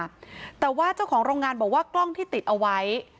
แต่ว่าเจ้าของโรงงานบอกว่ากล้องที่ติดเอาไว้